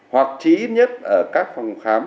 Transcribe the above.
hoặc trí nhất ở các phòng khám